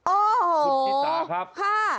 โอ้โหค่ะคุณศิษยาครับ